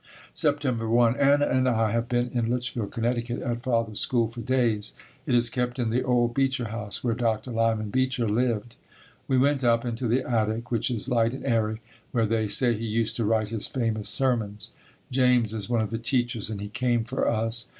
September 1. Anna and I have been in Litchfield, Conn., at Father's school for boys. It is kept in the old Beecher house, where Dr. Lyman Beecher lived. We went up into the attic, which is light and airy, where they say he used to write his famous sermons. James is one of the teachers and he came for us.